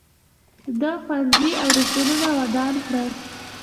ده ښوونځي او روغتونونه ودان کړل.